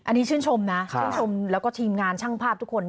อันนี้ชื่นชมนะชื่นชมแล้วก็ทีมงานช่างภาพทุกคน